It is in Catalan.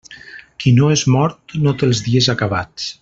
Qui no és mort, no té els dies acabats.